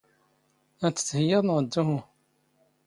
ⴰⴷ ⵜ ⵜⵀⵉⵢⵢⴰⴷ ⵏⵖ ⴷ ⵓⵀⵓ?